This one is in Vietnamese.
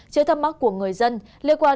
trước thăm mắc của người dân liên quan